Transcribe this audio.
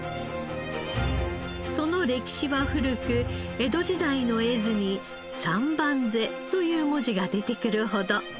その歴史は古く江戸時代の絵図に「三番瀬」という文字が出てくるほど。